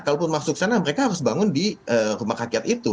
kalaupun masuk sana mereka harus bangun di rumah rakyat itu